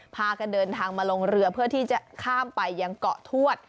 พากันเดินทางมาลงเรือเพื่อที่จะข้ามไปยังเกาะทวด